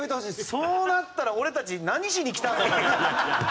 そうなったら俺たち何しに来たんだって。